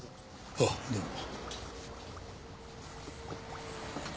ああどうも。